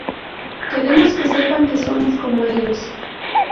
Queremos que sepan que somos como ellos.